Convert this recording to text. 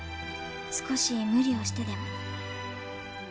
少し無理をしてでも。